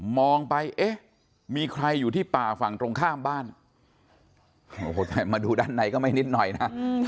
มองไปเอ๊ะมีใครอยู่ที่ป่าฝั่งตรงข้ามบ้านโอ้โหแต่มาดูด้านในก็ไม่นิดหน่อยนะ